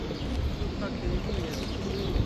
Nu, fakte, neniu ja dubis.